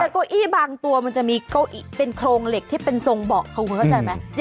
เก้าอี้บางตัวมันจะมีเป็นโครงเหล็กที่เป็นทรงเบาะคุณเข้าใจไหม